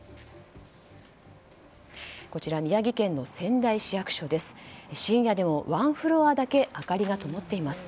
こちら宮城県の仙台市役所です。